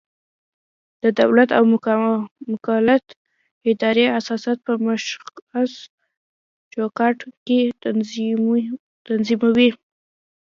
د دولت او مملکت ادارې اساسات په مشخص چوکاټ کې تنظیموي.